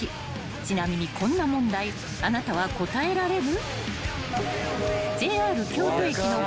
［ちなみにこんな問題あなたは答えられる？］